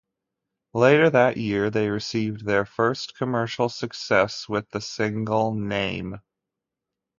Later that year they received their first commercial success with the single "Name".